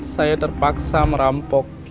saya terpaksa merampok